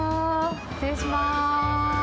失礼します。